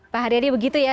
pak haryadi begitu ya